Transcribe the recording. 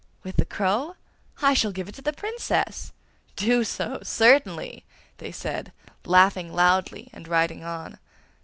'With the crow? I shall give it to the Princess!' 'Do so, certainly!' they said, laughing loudly and riding on.